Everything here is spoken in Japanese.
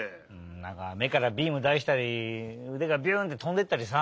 なんかめからビームだしたりうでがビュンってとんでいったりさ。